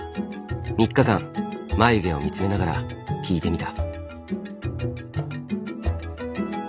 ３日間眉毛を見つめながら聞いてみた。